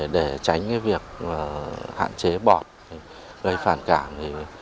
để tránh việc hạn chế bọt gây phản cảm